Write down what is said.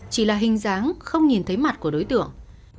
chỉ là hình dáng không nhìn thấy mặt của đối tượng